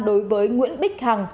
đối với nguyễn bích hằng